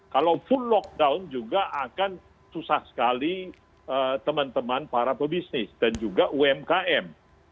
kalau full lockdown juga akan susah sekali teman teman para pebisnis dan juga umkm